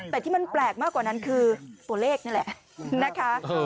แต่ที่มันแปลกมากกว่านั้นคือตัวเลขนี่แหละนะคะ